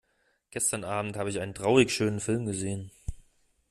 Gestern Abend habe ich einen traurigschönen Film gesehen.